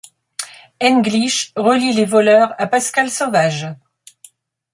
English relie les voleurs à Pascal Sauvage.